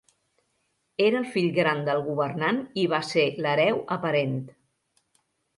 Era el fill gran del governant i va ser l'hereu aparent.